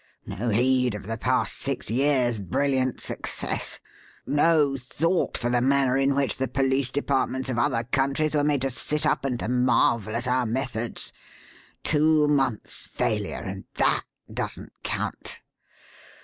No heed of the past six years' brilliant success. No thought for the manner in which the police departments of other countries were made to sit up and to marvel at our methods. Two months' failure and that doesn't count!